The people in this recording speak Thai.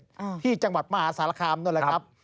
อ่าที่จังหวัดมาสหราคามนั่นแหละครับครับ